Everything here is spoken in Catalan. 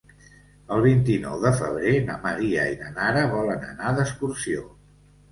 El vint-i-nou de febrer na Maria i na Nara volen anar d'excursió.